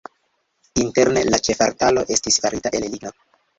Interne la ĉefaltaro estis farita el ligno.